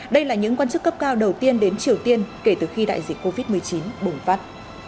đây là những quan chức cấp cao đầu tiên đến triều tiên kể từ khi đại dịch covid một mươi chín bùng phát